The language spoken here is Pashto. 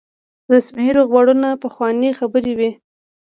رسمي روغبړونه پخوانۍ خبرې وي.